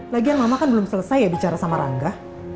lagian mama kan belum selesai ya bicara sama rangga